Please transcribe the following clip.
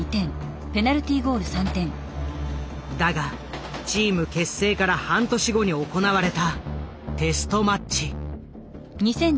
だがチーム結成から半年後に行われたテストマッチ。